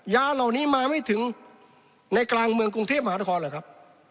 ยาเหล่านี้มาไม่ถึงในกลางเมืองกรุงเทพมหานครเหรอครับ